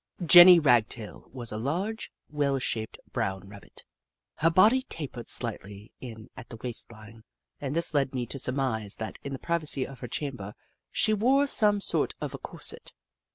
Jenny Ragtail was a large, well shaped brown Rabbit. Her body tapered slightly in at the waist line, and this led me to surmise that in the privacy of her chamber she wore some sort of a corset.